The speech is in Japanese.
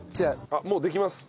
あっもうできます。